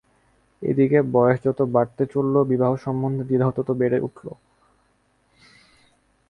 এ দিকে বয়স যত বাড়তে চলল বিবাহ সম্বন্ধে দ্বিধাও তত বেড়ে উঠল।